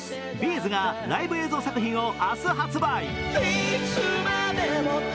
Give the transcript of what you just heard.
’ｚがライブ映像作品を明日発売。